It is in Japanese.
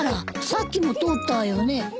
さっきも通ったわよね。